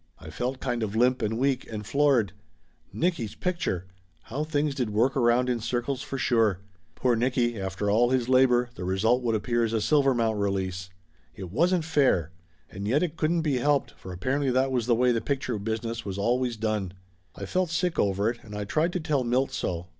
I felt kind of limp and weak, and floored. Nicky's picture ! How things did work around in circles for sure. Poor Nicky, after all his labor, the result would appear as a Silvermount release. It wasn't fair ! And yet it couldn't be helped, for apparently that was the way the picture business was always done. I felt sick over it, and I tried to tell Milt so.